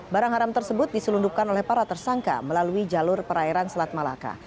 barang haram tersebut diselundupkan oleh para tersangka melalui jalur perairan selat malaka